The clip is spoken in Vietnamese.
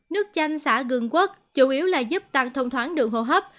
nước chanh sả gương quốc chủ yếu là giúp tăng thông thoáng đường hồ hấp